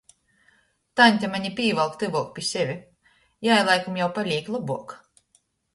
Taņte mani pīvalk tyvuok pi seve, jai laikam jau palīk lobuok!